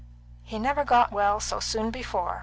"He never got well so soon before.